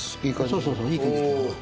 そうそうそういい感じ。